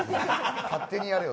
勝手にやれよ。